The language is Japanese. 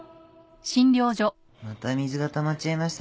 また水がたまっちゃいましたね。